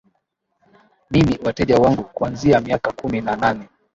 mimi wateja wangu kuanzia miaka kumi na nane